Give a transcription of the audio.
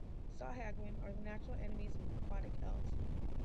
Sahuagin are the natural enemies of aquatic elves.